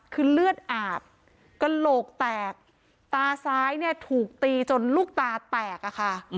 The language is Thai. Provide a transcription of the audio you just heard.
คือเลือดอาบกระโหลกแตกตาซ้ายเนี่ยถูกตีจนลูกตาแตกอะค่ะ